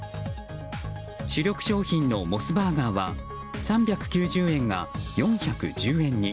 主力商品のモスバーガーは３９０円が４１０円に。